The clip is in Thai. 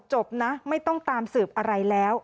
จบนะไม่ต้องตามสืบอะไรแล้ว